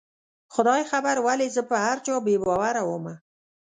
خدای خبر ولې زه په هر چا بې باوره ومه